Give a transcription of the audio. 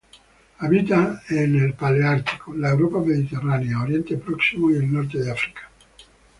Habita en el paleártico: la Europa mediterránea, Oriente Próximo y el norte de África.